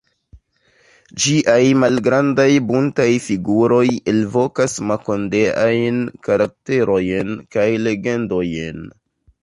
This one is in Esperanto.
Ĝiaj malgrandaj buntaj figuroj elvokas makondeajn karakterojn kaj legendojn.